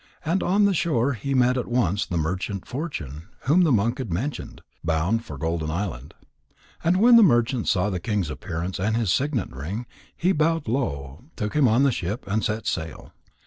And on the shore he met at once the merchant Fortune whom the monk had mentioned, bound for Golden Island. And when the merchant saw the king's appearance and his signet ring, he bowed low, took him on the ship, and set sail.